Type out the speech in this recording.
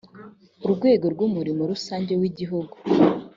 urwego rw umurimo rusange w igihugu